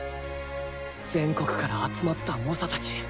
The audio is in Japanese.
全国から集まった猛者達